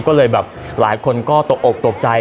ก็เลยแบบหลายคนก็ตกอกตกใจ